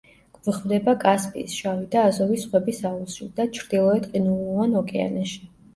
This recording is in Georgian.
გვხვდება კასპიის, შავი და აზოვის ზღვების აუზში და ჩრდილოეთ ყინულოვან ოკეანეში.